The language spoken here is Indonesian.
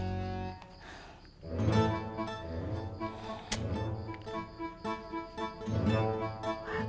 aduh nggak diangkat lagi